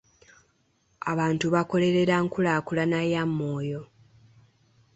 Abantu bakolerera nkukulaakulana ya Moyo.